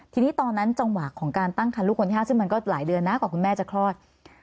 ทีนี้ตอนนั้นจังหวะของการตั้งคันลูกคนที่๕ซึ่งมันก็หลายเดือนนะกว่าคุณแม่จะคลอด